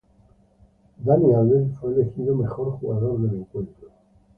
Dani Alves fue elegido mejor jugador del encuentro.